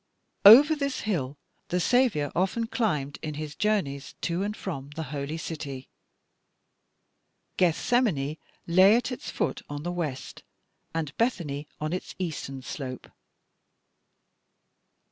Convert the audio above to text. Over this hill the Saviour often climbed in his journeys to and from the Holy City. Gethsemane lay at its foot on the west, and Bethany on its eastern slope.'"